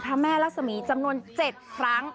พระแม่รักษมีจำนวน๗ครั้ง